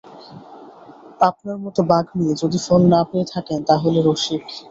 আপনার মতো বাগ্মী যদি ফল না পেয়ে থাকেন তা হলে– রসিক।